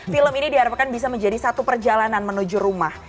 film ini diharapkan bisa menjadi satu perjalanan menuju rumah